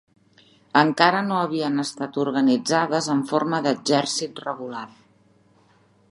Encara no havien estat organitzades en forma d'exèrcit regular.